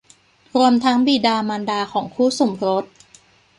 รวมทั้งบิดามารดาของคู่สมรส